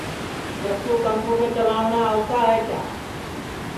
چکُو کمپوٹر چلاٹؔا آوتا ہے کیا